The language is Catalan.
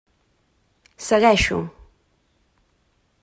Segueixo.